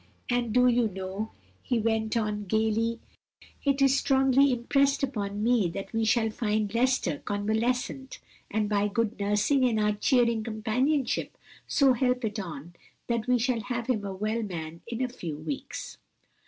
"And do you know," he went on gayly, "it is strongly impressed upon me that we shall find Lester convalescent, and by good nursing and our cheering companionship so help it on that we shall have him a well man in a few weeks."